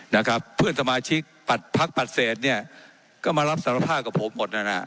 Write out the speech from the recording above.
นะครับเพื่อนสมาชิกปัดพักปัดเศษเนี่ยก็มารับสารภาพกับผมหมดนั่นอ่ะ